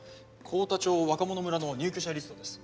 幸田町若者村の入居者リストです。